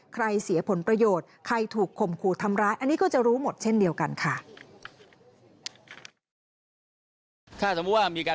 เสียผลประโยชน์ใครถูกข่มขู่ทำร้ายอันนี้ก็จะรู้หมดเช่นเดียวกันค่ะ